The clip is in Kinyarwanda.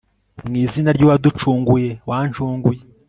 mu izina ry'uwaducunguye wancunguye